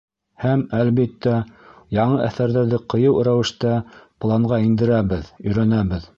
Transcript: Һәм, әлбиттә, яңы әҫәрҙәрҙе ҡыйыу рәүештә планға индерәбеҙ, өйрәнәбеҙ.